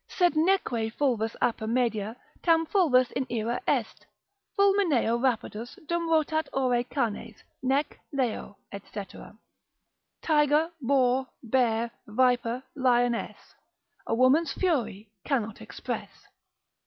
Sed neque fulvus aper media tam fulvus in ira est, Fulmineo rapidos dum rotat ore canes. Nec leo, &c.——— Tiger, boar, bear, viper, lioness, A woman's fury cannot express.